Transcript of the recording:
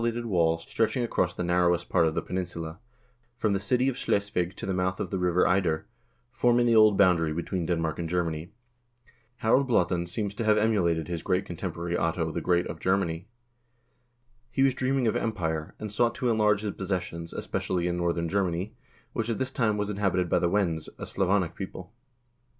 His queen was the able and popular Thyra Danebod, who rebuilt Danevirke, a castellated wall, stretching across the narrowest part of the peninsula, from the city of Schleswig to the mouth of the River Eider ; forming the old boundary between Denmark and Germany. Harald Blaatand seems to have emulated his great contemporary Otto the Great of Germany. He was dream ing of empire, and sought to enlarge his possessions, especially in northern Germany, which at this time was inhabited by the Wends, a Slavonic people.